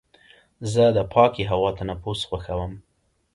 زه د پاکې هوا تنفس خوښوم.